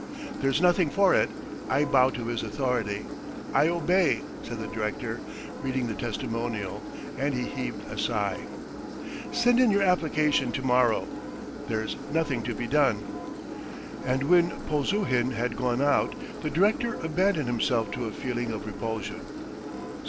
"There's nothing for it, I bow to his authority. .. I obey ..." said the director, reading the testimonial, and he heaved a sigh. "Send in your application to morrow. ... There's nothing to be done. ..." And when Polzuhin had gone out, the director abandoned himself to a feeling of repulsion.